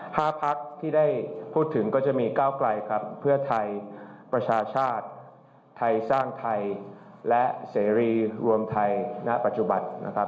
พักที่ได้พูดถึงก็จะมีก้าวไกลครับเพื่อไทยประชาชาติไทยสร้างไทยและเสรีรวมไทยณปัจจุบันนะครับ